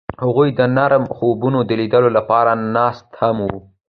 هغوی د نرم خوبونو د لیدلو لپاره ناست هم وو.